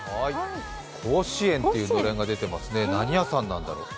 甲子園っていうのれんが出ていますね、何屋さんなんだろう。